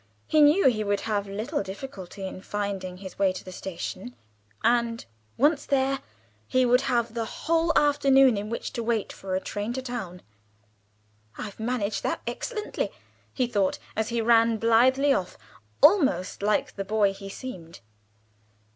He knew he would have little difficulty in finding his way to the station, and, once there, he would have the whole afternoon in which to wait for a train to town. "I've managed that excellently," he thought, as he ran blithely off, almost like the boy he seemed.